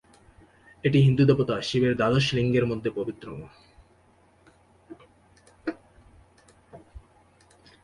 এটি হিন্দু দেবতা শিবের দ্বাদশ লিঙ্গের মধ্যে পবিত্রতম।